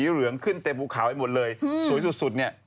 เหลืองขึ้นเต็มภูเขาไปหมดเลยสวยสุดเนี่ย